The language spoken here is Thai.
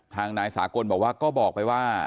ทางนายสากลบอกว่าก็บอกไปว่า